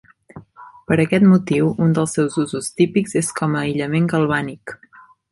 Per aquest motiu un dels seus usos típics és com a aïllament galvànic.